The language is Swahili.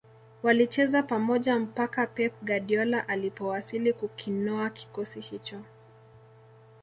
Walicheza pamoja mpaka Pep Guardiola alipowasili kukinoa kikosi hicho